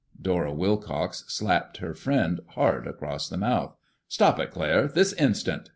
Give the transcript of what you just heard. Dora Wilcox slapped her friend hard across the mouth. "Stop it, Claire, this instant!"